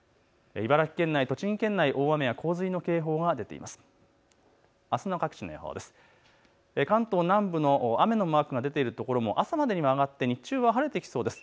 茨城県内、栃木県内、大雨や洪水の警報が出ています。